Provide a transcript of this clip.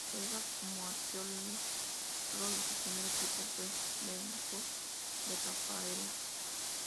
Juega como arquero y su primer equipo fue Ben Hur de Rafaela.